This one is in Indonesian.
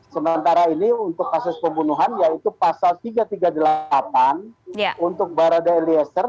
sementara ini untuk kasus pembunuhan yaitu pasal tiga ratus tiga puluh delapan untuk barada eliezer